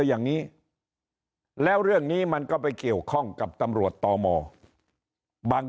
อย่างนี้แล้วเรื่องนี้มันก็ไปเกี่ยวข้องกับตำรวจตมบาง